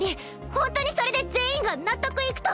ほんとにそれで全員が納得いくと！